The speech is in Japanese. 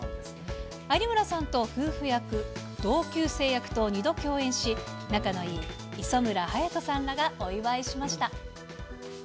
有村さんと夫婦役、同級生役と２度共演し、仲のいい磯村はやとさんらがお祝いしました。